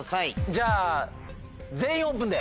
じゃあ「全員オープン」で。